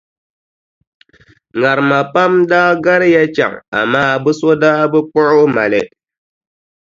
Ŋarima pam daa gariya chaŋ amaa bɛ so daa bi kpuɣi o mali.